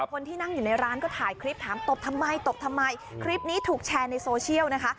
คนที่นั่งอยู่ในร้านก็ถ่ายคลิปถามตบทำไมตบทำไมคลิปนี้ถูกแชร์ในโซเชียลนะคะ